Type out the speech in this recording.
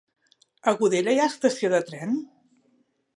A Godella hi ha estació de tren?